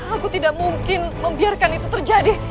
aku tidak mungkin membiarkan itu terjadi